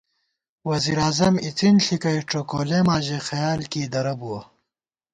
وزیر اعظم اِڅِن ݪِکَئ ڄوکولېما ژَئی خیال کېئی درہ بُوَہ